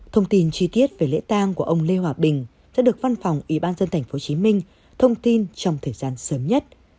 thông tin chi tiết về lễ tang của ông lê hòa bình sẽ được văn phòng vĩ bát dân tp hcm thông tin trong thời gian sớm nhất